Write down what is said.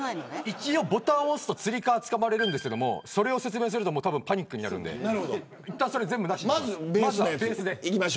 一応ボタンを押すとつり革につかまれるんですけれどそれを説明するとパニックになるのでいったん、全部なしで。